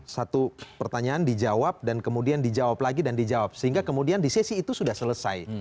satu pertanyaan dijawab dan kemudian dijawab lagi dan dijawab sehingga kemudian di sesi itu sudah selesai